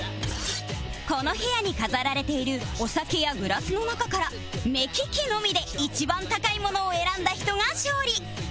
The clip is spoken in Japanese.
この部屋に飾られているお酒やグラスの中から目利きのみで一番高いものを選んだ人が勝利